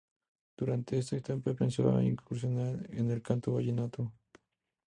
Durante esta etapa empezó a incursionar en el canto vallenato.